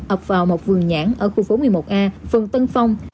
ập vào một vườn nhãn ở khu phố một mươi một a phường tân phong